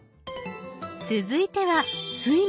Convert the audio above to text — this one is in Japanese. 続いては「睡眠」